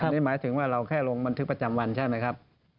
นี่หมายถึงว่าเราแค่ลงบันทึกประจำวันใช่ไหมครับ